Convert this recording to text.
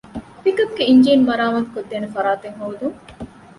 ޕިކަޕްގެ އިންޖީނު މަރާމާތު ކޮށްދޭނެ ފަރާތެއް ހޯދުން